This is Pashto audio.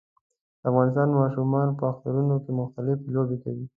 د افغانستان ماشومان په اخترونو کې مختلفي لوبې کوي